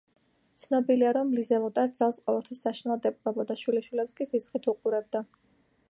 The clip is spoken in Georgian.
ცნობილია, რომ ლიზელოტა რძალს ყოველთვის საშინლად ეპყრობოდა, შვილიშვილებს კი ზიზღით უყურებდა.